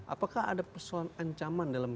apakah ada persoalan ancaman dalam